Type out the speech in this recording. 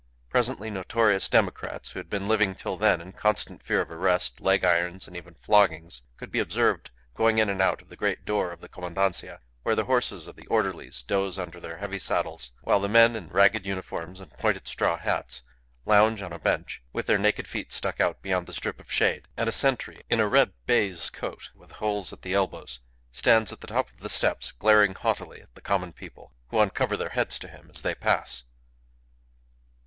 Presently notorious democrats, who had been living till then in constant fear of arrest, leg irons, and even floggings, could be observed going in and out at the great door of the Commandancia, where the horses of the orderlies doze under their heavy saddles, while the men, in ragged uniforms and pointed straw hats, lounge on a bench, with their naked feet stuck out beyond the strip of shade; and a sentry, in a red baize coat with holes at the elbows, stands at the top of the steps glaring haughtily at the common people, who uncover their heads to him as they pass.